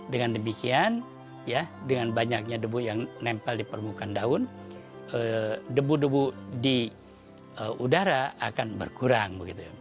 dengan demikian ya dengan banyaknya debu yang nempel di permukaan daun debu debu di udara akan berkurang